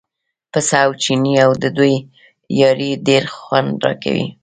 پسه او چینی او د دوی یاري ډېر خوند راکوي.